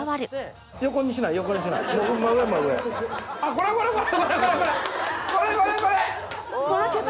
これこれこれ！